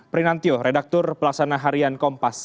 prinantio redaktur pelaksana harian kompas